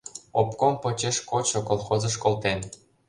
Обком почеш кодшо колхозыш колтен.